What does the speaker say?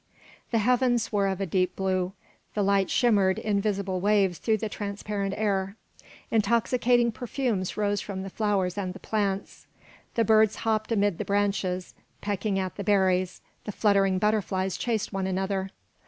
The heavens were of a deep blue; the light shimmered in visible waves through the transparent air; intoxicating perfumes rose from the flowers and the plants; the birds hopped amid the branches, pecking at the berries; the fluttering butterflies chased one another.